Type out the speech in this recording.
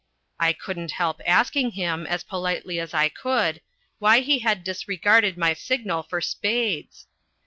I couldn't help asking him, as politely as I could, why he had disregarded my signal for spades.